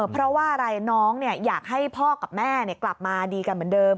เพราะว่าอะไรน้องอยากให้พ่อกับแม่กลับมาดีกันเหมือนเดิม